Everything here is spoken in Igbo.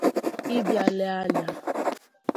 Ị bịa lee anya